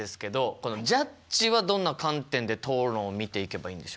このジャッジはどんな観点で討論を見ていけばいいんでしょうか？